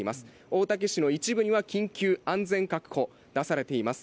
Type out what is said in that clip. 大竹市の一部には、緊急安全確保、出されています。